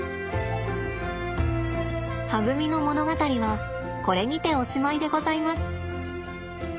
はぐみの物語はこれにておしまいでございます。